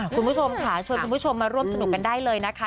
คุณผู้ชมค่ะชวนคุณผู้ชมมาร่วมสนุกกันได้เลยนะคะ